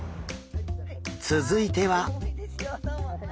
続いては。